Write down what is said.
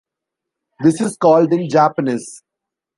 This is called in Japanese.